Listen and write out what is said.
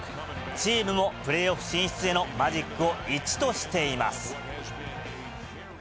チームもプレーオフ進出へのマジックを１としています。